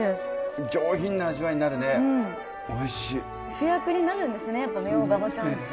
主役になるんですねやっぱミョウガもちゃんと。